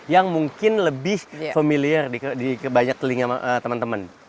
yang mungkin lebih familiar di banyak telinga teman teman